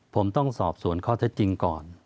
ผมต้องสอบสวนข้อเท็จจริงก่อน